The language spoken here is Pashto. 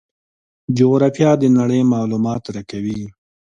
جغرافیه د نړۍ معلومات راکوي.